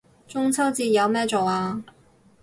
中秋節有咩做啊